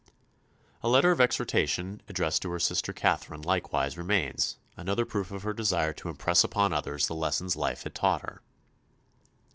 A letter of exhortation addressed to her sister Katherine likewise remains, another proof of her desire to impress upon others the lessons life had taught her.